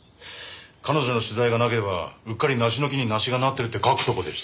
彼女の取材がなければうっかり「梨の木に梨がなってる」って書くとこでした。